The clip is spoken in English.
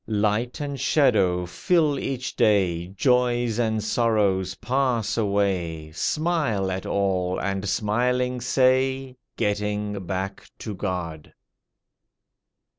Light and shadow fill each day Joys and sorrows pass away, Smile at all, and smiling, say, Getting back to God.